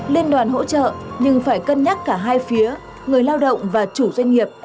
liên đoàn hỗ trợ nhưng phải cân nhắc cả hai phía người lao động và chủ doanh nghiệp